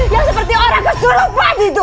yang seperti orang kesulupaan itu